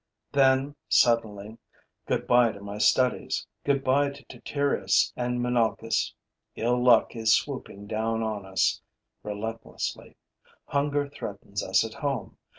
Then, suddenly, goodbye to my studies, goodbye to Tityrus and Menalcas. Ill luck is swooping down on us, relentlessly. Hunger threatens us at home.